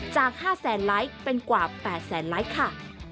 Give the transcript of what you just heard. จาก๕๐๐๐๐๐ไลค์เป็นกว่า๘๐๐๐๐๐ไลค์ค่ะ